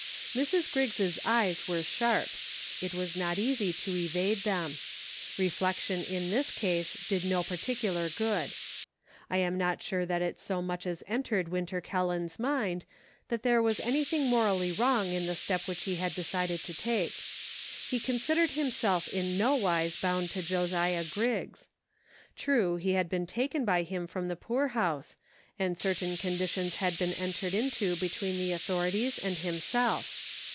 Mrs. Griggs' eyes were sharp ; it was not easy to evade them. Reflection in this case did no par ticular good. I am not sure that it so much as entered Winter Kelland's mind that there was anything morally wrong in the step which he had decided to take. He considered himself in nowise bound to Josiah Griggs. True, he had been taken by him from the poorhouse, and certain conditions had been entered into between the authorities and himself.